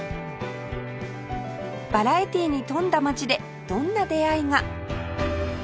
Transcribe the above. バラエティーに富んだ街でどんな出会いが？